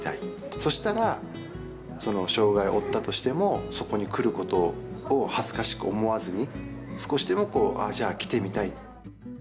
そしたらその障がいを負ったとしてもそこに来る事を恥ずかしく思わずに少しでもこう「あっじゃあ来てみたい」。